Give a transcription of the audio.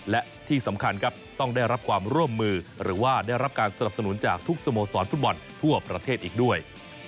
และที่สำคัญครับต้องได้รับความร่วมมือหรือว่าได้รับการสนับสนุนจากทุกสโมสรฟุตบอลทั่วประเทศอีกด้วย